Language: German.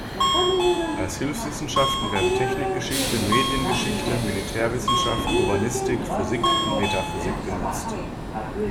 Als Hilfswissenschaften werden Technikgeschichte, Mediengeschichte, Militärwissenschaft, Urbanistik, Physik und Metaphysik genutzt.